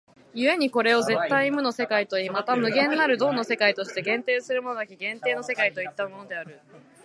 故にこれを絶対無の世界といい、また無限なる動の世界として限定するものなき限定の世界ともいったのである。